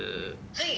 はい？